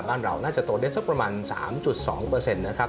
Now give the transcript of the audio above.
บ้านเราน่าจะโตได้สักประมาณ๓๒นะครับ